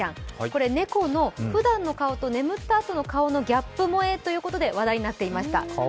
これ、猫のふだんのかおと眠ったあとの顔がギャップ萌えということで話題になっていました。